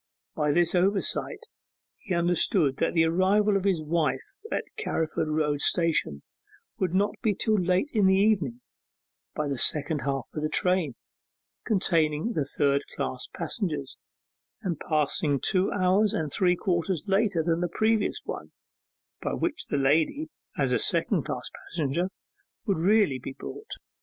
By this oversight he understood that the arrival of his wife at Carriford Road Station would not be till late in the evening: by the second half of the train, containing the third class passengers, and passing two hours and three quarters later than the previous one, by which the lady, as a second class passenger, would really be brought.